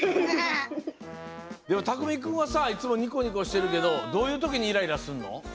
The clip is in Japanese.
でもたくみくんはさいつもニコニコしてるけどどういうときにイライラすんの？